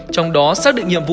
trong đó xác định nhiệm vụ